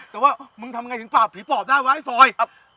แต่งงานฝ่ากับผีปอบได้ไม๊อิฟอล์ย